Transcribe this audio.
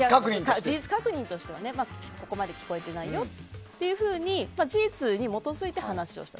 事実確認としてここまで聞こえてないよというふうに事実に基づいて話をする。